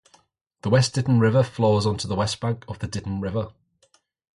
The West Ditton River flows onto the West Bank of the Ditton River.